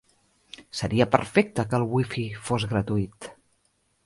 Seria perfecte que el wifi fos gratuït.